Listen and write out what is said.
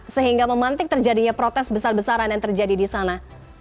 sehingga memantik terjadinya protes besar besaran yang terjadi di sana